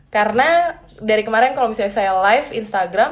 karena dari kemarin kalau misalnya saya live instagram